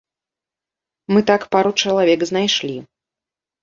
Мы так пару чалавек знайшлі.